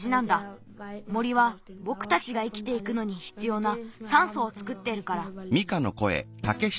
森はぼくたちが生きていくのにひつようなさんそをつくってるから。